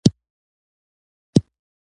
پاکي او خلاصي وي،